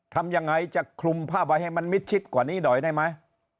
ทำยังไงจะคลุมภาพไว้ให้มันมิดชิดกว่านี้หน่อยได้ไหม